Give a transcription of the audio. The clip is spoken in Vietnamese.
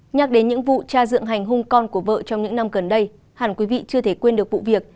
nhắc đến những vụ tra dựng hành hung con của vợ trong những năm gần đây hẳn quý vị chưa thể quên được vụ việc